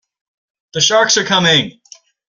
The sharks are coming!